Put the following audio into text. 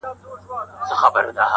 زما سکنی ورور هم دغسې کړنې وکړي